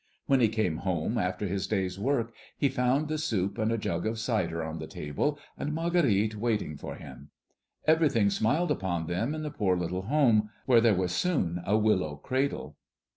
When he came home after his day's work, he found the soup and a jug of cider on the table, and Marguerite waiting for him. Everything smiled upon them in the poor little home, where there was soon a willow cradle.